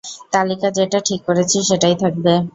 তালিকা যেটা ঠিক করেছি সেটাই থাকবে।